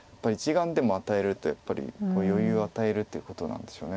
１眼でも与えるとやっぱり余裕を与えるってことなんでしょう。